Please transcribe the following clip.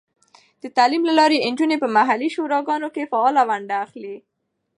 د تعلیم له لارې، نجونې په محلي شوراګانو کې فعاله ونډه اخلي.